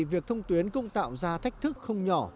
việc thông tuyến cũng tạo ra thách thức không nhỏ